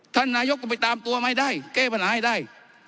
ท่านนายกก็ไปตามตัวไม่ได้แก้ปัญหาให้ได้